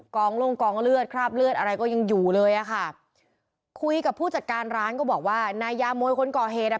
กองลงกองเลือดคราบเลือดอะไรก็ยังอยู่เลยอ่ะค่ะคุยกับผู้จัดการร้านก็บอกว่านายยามวยคนก่อเหตุอ่ะ